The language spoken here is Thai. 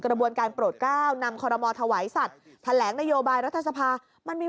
กระบวนการโปรดก้าวนำคอรมอถวายสัตว์แถลงนโยบายรัฐสภามันมี